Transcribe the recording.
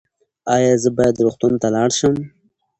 ایا زه باید روغتون ته لاړ شم؟